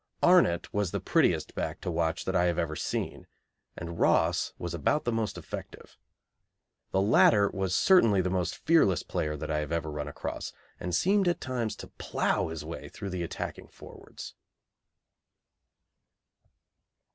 Arnott was the prettiest back to watch that I have ever seen, and Ross was about the most effective. The latter was certainly the most fearless player that I have ever run across, and seemed at times to plough his way through the attacking forwards.